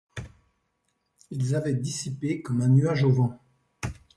Ils avaient dissipé comme un nuage au vent